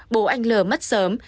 bố anh l mất sớm